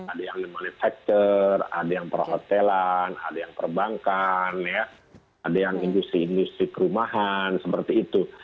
ada yang manufacturer ada yang perhotelan ada yang perbankan ya ada yang industri industri kerumahan seperti itu